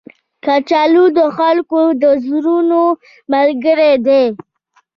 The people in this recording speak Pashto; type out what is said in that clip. کچالو د خلکو د زړونو ملګری دی